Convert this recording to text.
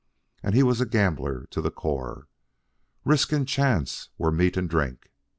And he was a gambler to the core. Risk and chance were meat and drink.